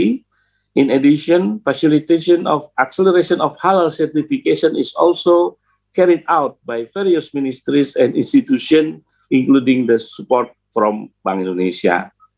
selain itu kecemasan sertifikasi halal juga diperoleh oleh beberapa ministri dan institusi termasuk dukungan dari bank indonesia